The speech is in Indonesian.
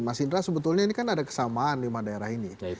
mas indra sebetulnya ini kan ada kesamaan lima daerah ini